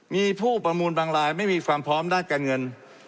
มีผู้ประมูลบางรายไม่มีความพร้อมด้านการเงิน